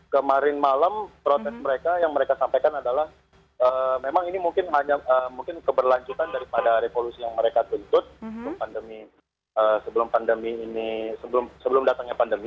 kemarin malam protes mereka yang mereka sampaikan adalah memang ini mungkin hanya mungkin keberlanjutan daripada revolusi yang mereka tuntut sebelum pandemi ini sebelum datangnya pandemi